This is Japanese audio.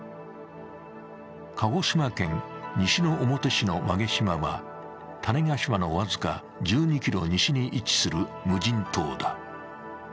鹿児島県西之表市の馬毛島は、種子島の僅か１２ｋｍ西に位置する無人島だ。